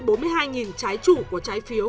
trái chủ của trái phiếu